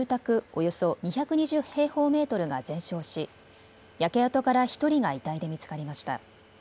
およそ２２０平方メートルが全焼し焼け跡から１人が遺体で見つかりました。